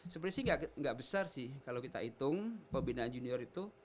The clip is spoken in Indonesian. sebenarnya sih nggak besar sih kalau kita hitung pembinaan junior itu